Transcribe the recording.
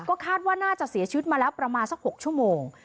ก็คาดว่าน่าจะเสียชีวิตมาแล้วประมาณสัก๖ชั่วโมง